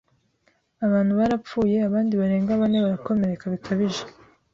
Abantu barapfuye abandi barenga bane barakomereka bikabije,